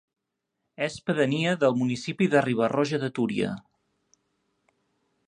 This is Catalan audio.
És pedania del municipi de Riba-roja de Túria.